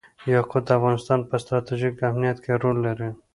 یاقوت د افغانستان په ستراتیژیک اهمیت کې رول لري.